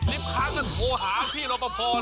ลิฟท์ค้างกันโทหาที่เราประโภเลย